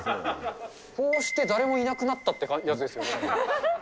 こうして誰もいなくなったっていうやつですよね。